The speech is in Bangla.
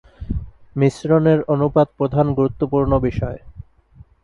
মিশ্রণের অনুপাত প্রধান গুরুত্বপূর্ণ বিষয়।